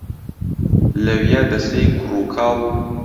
لەویا دەسەی کوڕ و کاڵ